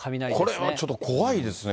これはちょっと怖いですね。